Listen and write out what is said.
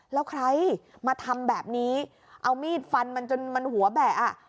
แล้วใครมาทำแบบนี้เอามีดฟันมันจนมันหัวแบะอ่ะ